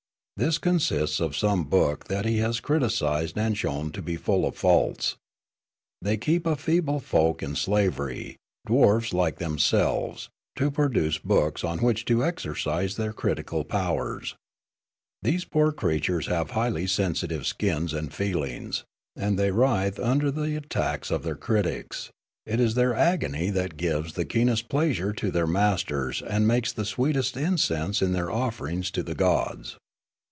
This consists of some book that he has criticised and shown to be full of faults. They keep a feeble folk in slavery, dwarfs like themselves, to produce books on which to exercise their critical powers. These poor creatures have highly sensitive skins and feelings, and they writhe under the attacks of their critics ; it is their agony that gives the keenest pleasure to their masters and makes the o 1 8 Riallaro sweetest incense in their offerings to the gods.